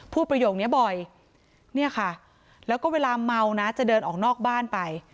ประโยคนี้บ่อยเนี่ยค่ะแล้วก็เวลาเมานะจะเดินออกนอกบ้านไป